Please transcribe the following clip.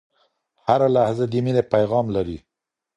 هره لحظه د میني پیغام لري